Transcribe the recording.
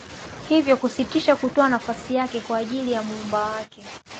hivyo hakusita kutoa nafsi yake kwa ajili ya muumba wake